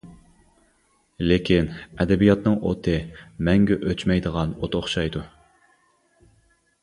لېكىن، ئەدەبىياتنىڭ ئوتى مەڭگۈ ئۆچمەيدىغان ئوت ئوخشايدۇ.